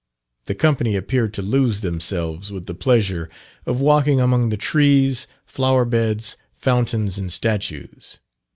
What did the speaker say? The company appeared to lose themselves with the pleasure of walking among the trees, flower beds, fountains, and statues.